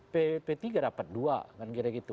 p tiga dapat dua kan kira kira gitu